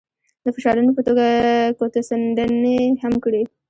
د فشارونو په توګه ګوتڅنډنې هم کړي.